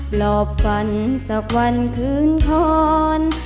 หลอบฝันสักวันคืนคอน